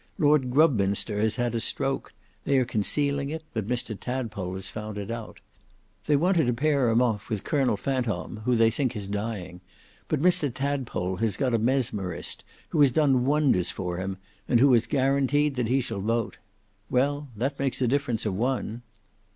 Lord Grubminster has had a stroke: they are concealing it, but Mr Tadpole has found it out. They wanted to pair him off with Colonel Fantomme, who they think is dying: but Mr Tadpole has got a Mesmerist who has done wonders for him, and who has guaranteed that he shall vote. Well, that makes a difference of one."